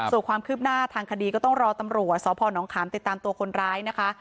ส่วนความคืบหน้าทางคดีก็ต้องรอตำรวจสพนขามติดตามตัวคนร้ายนะคะ